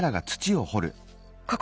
ここ。